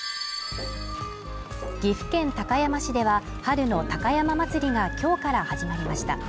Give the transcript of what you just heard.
岐阜県高山市では、春の高山祭が今日から始まりました。